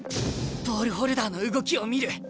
ボールホルダーの動きを見る。